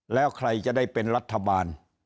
แล้วใครจะได้เป็นรัฐบาล